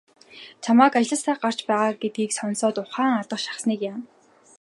Чамайг ажлаасаа гарч байгаа гэдгийг сонсоод ухаан алдах шахсаныг яана.